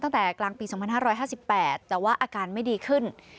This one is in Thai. ตั้งแต่กลางปี๒๕๕๘แต่ว่าอาการไม่ดีขึ้น